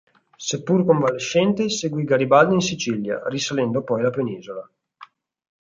Seppur convalescente, seguì Garibaldi in Sicilia, risalendo poi la penisola.